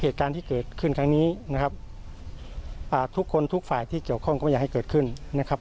เหตุการณ์ที่เกิดขึ้นครั้งนี้นะครับอ่าทุกคนทุกฝ่ายที่เกี่ยวข้องก็ไม่อยากให้เกิดขึ้นนะครับ